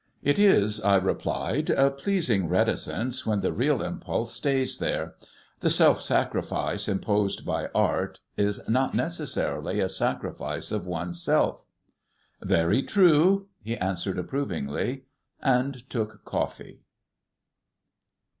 "It is," I replied, "a pleasing reticence when the real impulse stays there. The self sacrifice imposed by art is not necessarily a sacrifice of one's self." "Very true," he answered approvingly, and took coffee.